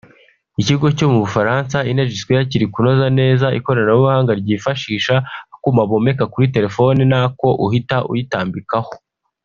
Ikigo cyo mu Bufaransa Energysquare kiri kunoza neza ikoranabuhanga ryifashisha akuma bomeka kuri telefoni n’ako uhita uyirambikaho